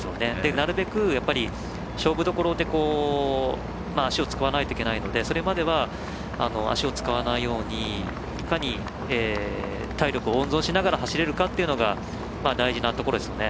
なるべく、勝負どころで足を使わないといけないのでそれまでは足を使わないようにいかに体力温存しながら走れるかっていうのが大事なところですよね。